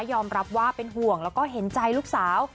ยอมรับว่าเป็นห่วงแล้วก็เห็นใจลูกสาว